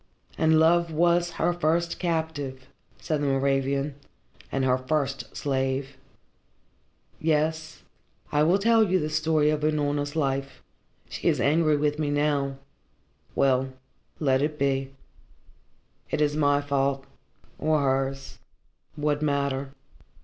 "And love was her first captive," said the Moravian, "and her first slave. Yes, I will tell you the story of Unorna's life. She is angry with me now. Well, let it be. It is my fault or hers. What matter?